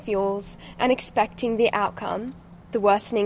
untuk menghadiri pertemuan dengan pemerintah federal dan pemerintah ekonomi australia